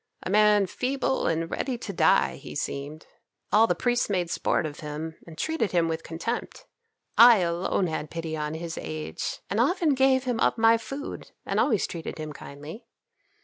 A man feeble and ready to die, he seemed. All the priests made sport of him and treated him with contempt. I alone had pity on his age, and often gave him of my food and always treated him kindly.